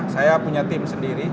saya punya tim sendiri